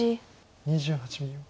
２８秒。